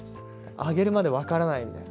あげるまで分からないみたいな。